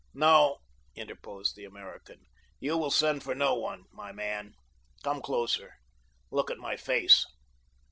"No," interposed the American. "You will send for no one, my man. Come closer—look at my face."